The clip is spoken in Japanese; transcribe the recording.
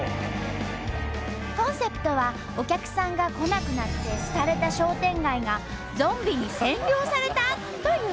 コンセプトはお客さんが来なくなって廃れた商店街がゾンビに占領された！？というもの。